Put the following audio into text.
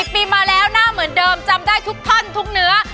ปีมาแล้วหน้าเหมือนเดิมจำได้ทุกท่านทุกเนื้อ